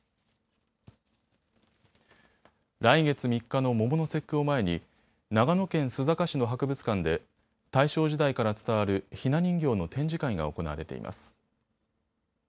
来月３日の桃の節句を前に長野県須坂市の博物館で大正時代から伝わるひな人形の展示会が行われています。